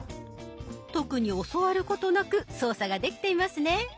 特に教わることなく操作ができていますね。